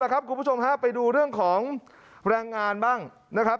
คุณผู้ชมฮะไปดูเรื่องของแรงงานบ้างนะครับ